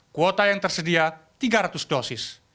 kuota yang tersedia tiga ratus dosis